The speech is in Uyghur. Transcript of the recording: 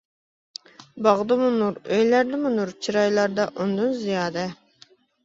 باغدىمۇ نۇر، ئۆيلەردىمۇ نۇر، چىرايلاردا ئۇندىن زىيادە.